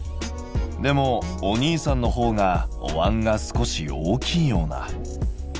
でもお兄さんのほうがおわんが少し大きいような。